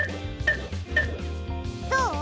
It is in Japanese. どう？